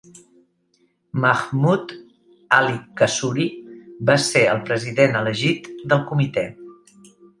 Mahmud Ali Kasuri va ser el president elegit del comitè.